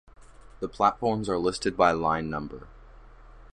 The platforms are listed by line number.